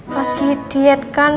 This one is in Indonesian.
lagi diet kan